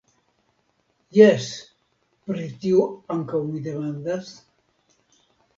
Jes, pri tio ankaŭ mi demandas?